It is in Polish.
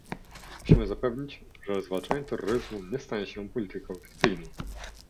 Musimy zapewnić, że zwalczanie terroryzmu nie stanie się polityką fikcyjną